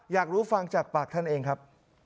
อยากรู้ฟังจากปากท่านเองครับ